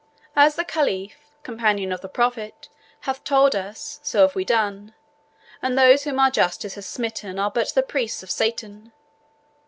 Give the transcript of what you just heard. As the Caliph, companion of the Prophet, hath told us, so have we done, and those whom our justice has smitten are but the priests of Satan.